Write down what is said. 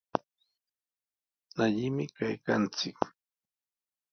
Allimi kaykanchik.